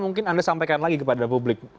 mungkin anda sampaikan lagi kepada publik